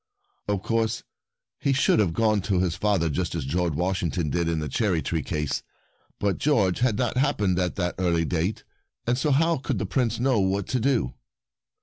Of course he should have gone to his father just as George Washington did in the cherry tree case, but George had not happened at that early date, and so how could the Prince know what to do